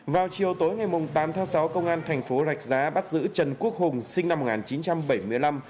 vào chiều tối ngày tám tháng sáu công an thành phố rạch giá bắt giữ trần quốc hùng sinh năm một nghìn chín trăm bảy mươi năm